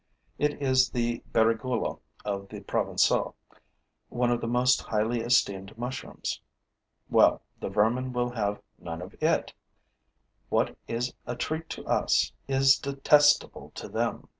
It is the berigoulo of the Provencaux, one of the most highly esteemed mushrooms. Well, the vermin will have none of it: what is a treat to us is detestable to them.